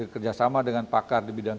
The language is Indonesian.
kerjasama dengan pakar di bidang